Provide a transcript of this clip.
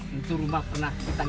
pertama kali ganti dirima